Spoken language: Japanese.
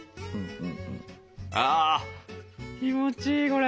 あ気持ちいいこれ！